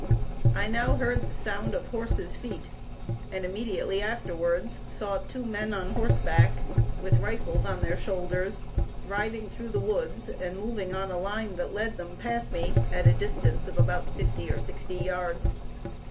I now heard the sound of horses' feet, and immediately afterwards saw two men on horseback, with rifles on their shoulders, riding through the woods, and moving on a line that led them past me, at a distance of about fifty or sixty yards.